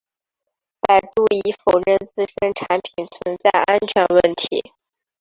百度已否认自身产品存在安全问题。